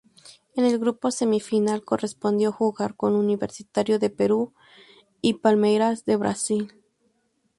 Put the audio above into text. En el grupo semifinal correspondió jugar con Universitario de Perú y Palmeiras de Brasil.